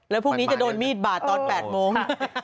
แล้วพรุ่งนี้จะโดนมีดบาดตอน๘โมง